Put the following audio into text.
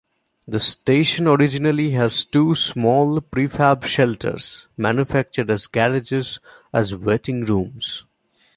The station originally had two small prefab shelters, manufactured as garages, as waiting rooms.